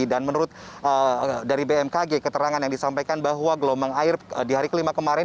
dan menurut dari bmkg keterangan yang disampaikan bahwa gelombang air di hari ke lima kemarin